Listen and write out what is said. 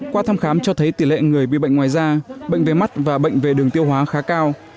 qua thăm khám cho thấy tỷ lệ người bị bệnh ngoài da bệnh về mắt và bệnh về đường tiêu hóa khá cao